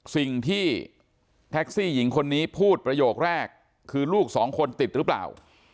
สิ่งที่แท็กซี่หญิงคนนี้พูดประโยคแรกคือลูกสองคนติดหรือเปล่า